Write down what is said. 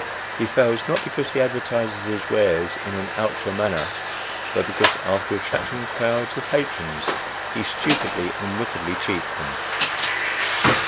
He fails, not because he advertises his wares in an outre manner, but because, after attracting crowds of patrons, he stupidly and wickedly cheats them.